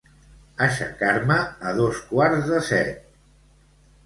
Aixecar-me a les sis i mitja.